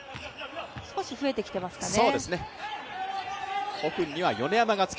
少し増えてきてますかね。